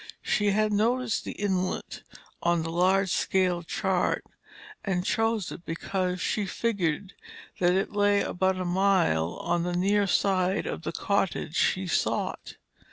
She had noticed the inlet on the large scale chart, and chose it because she figured that it lay about a mile on the near side of the cottage she sought.